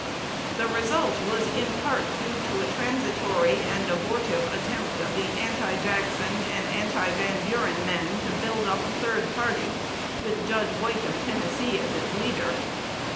The result was in part due to a transitory and abortive attempt of the anti Jackson and anti Van Buren men to build up a third party, with Judge White of Tennessee as its leader.